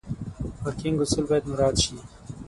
پارکینګ اصول باید مراعت شي.